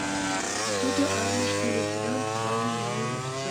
Вет тудо армийыште лейтенант званийым налын, офицер.